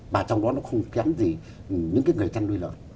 và trong đó nó không kém gì những cái người chăn nuôi lợn